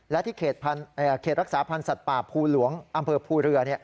และที่เขตรักษาพันธ์สัตว์ป่าภูหลวงอำเภอภูเรือ